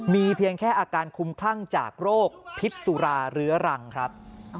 มีเพียงแค่อาการคุ้มคลั่งจากโรคพิษสุราเรื้อรังครับ